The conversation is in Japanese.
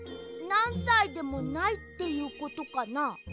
なんさいでもないっていうことかな？